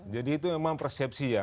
jadi itu memang persepsi ya